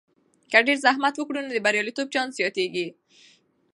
که ډیر زحمت وکړو، نو د بریالیتوب چانس زیاتیږي.